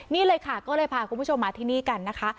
นี่เลยค่ะก็เลยพาคุณผู้ชมมาที่นี่กันนะคะ